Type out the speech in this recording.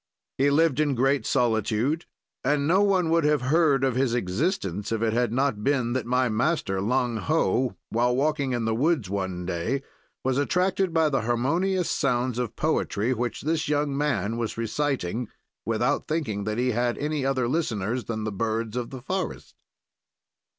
"He lived in great solitude, and no one would have heard of his existence if it had not been that my master, Lang Ho, while walking in the woods one day, was attracted by the harmonious sounds of poetry, which this young man was reciting, without thinking that he had any other listeners than the birds of the forest.